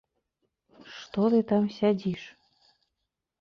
Што ты там сядзіш?